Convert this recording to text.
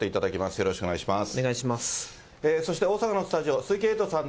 よろしくお願いします。